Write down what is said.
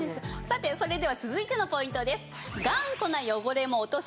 さてそれでは続いてのポイントです。